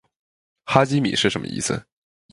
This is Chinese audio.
哈基米是什么意思？